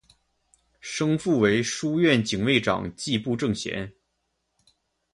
生父为书院警卫长迹部正贤。